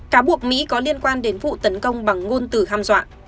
cáo buộc mỹ có liên quan đến vụ tấn công bằng ngôn tử ham dọa